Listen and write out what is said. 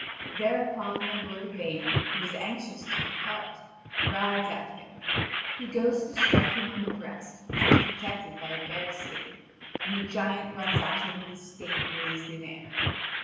Thereupon my lord Yvain, who was anxious to depart, rides at him. He goes to strike him on the breast, which was protected by a bear's skin, and the giant runs at him with his stake raised in air.